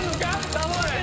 頼む！